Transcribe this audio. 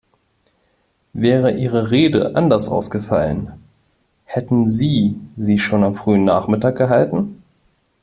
Wäre Ihre Rede anders ausfallen, hätten Sie sie schon am frühen Nachmittag gehalten?